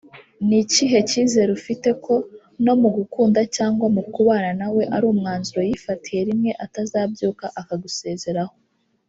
ni ikihe cyizere ufite ko no mu kugukunda cyangwa mu kubana nawe ari umwanzuro yifatiye rimwe atazabyuka akagusezeraho